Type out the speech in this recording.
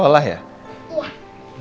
selamat pagi mbak mbak